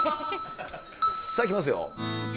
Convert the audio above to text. さあ、いきますよ。